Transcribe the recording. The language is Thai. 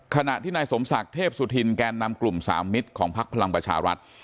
ขณะที่นายสมศักดิ์เทพสุธินแกนนำกลุ่มสามมิตรของพักพลังประชารัฐ